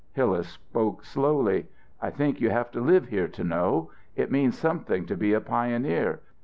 Hillas spoke slowly. "I think you have to live here to know. It means something to be a pioneer.